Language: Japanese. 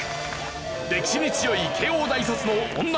歴史に強い慶応大卒の女